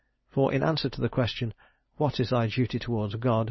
For in answer to the question, "What is thy duty towards God?"